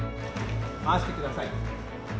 回してください。